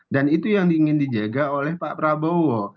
dan itu yang ingin dijaga oleh pak prabowo